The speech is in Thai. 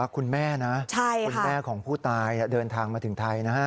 คุณแม่นะคุณแม่ของผู้ตายเดินทางมาถึงไทยนะฮะ